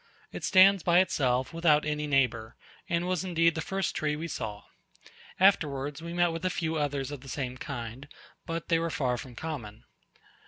It stands by itself without any neighbour, and was indeed the first tree we saw; afterwards we met with a few others of the same kind, but they were far from common.